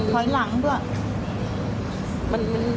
ถอยหลังด้วย